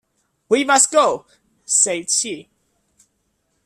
"We must go," said she.